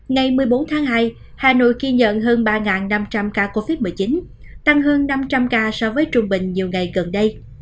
ngày một mươi bốn tháng hai hà nội ghi nhận hơn ba năm trăm linh ca covid một mươi chín tăng hơn năm trăm linh ca so với trung bình nhiều ngày gần đây